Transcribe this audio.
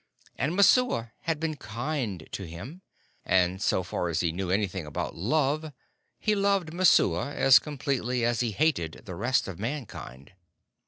And Messua had been kind to him, and, so far as he knew anything about love, he loved Messua as completely as he hated the rest of mankind.